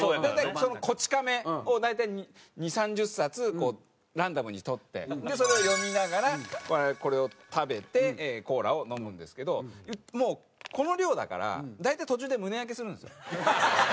大体『こち亀』を大体２０３０冊ランダムに取ってそれを読みながらこれを食べてコーラを飲むんですけどもうこの量だから大体途中で胸焼けするんですよ。